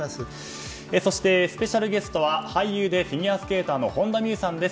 そして、スペシャルゲストは俳優でフィギュアスケーターの本田望結さんです。